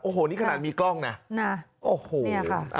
โอ้โหนี่ขนาดมีกล้องนะโอ้โหเนี่ยค่ะ